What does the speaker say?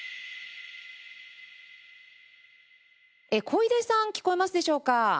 コイデさん聞こえますでしょうか？